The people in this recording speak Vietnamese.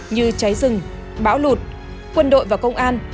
như cháy rừng bão lụt quân đội và công an